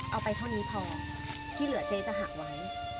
เอาไปเท่านี้พอที่เหลือเจ๊จะหักไว้